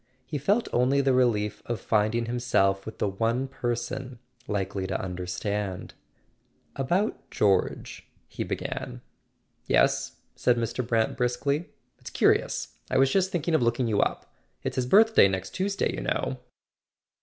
He felt only the relief of find¬ ing himself with the one person likely to understand. "About George " he began. [ 347 ] A SON AT THE FRONT "Yes?" said Mr. Brant briskly. "It's curious—I was just thinking of looking you up. It's his birthday next Tuesday, you know."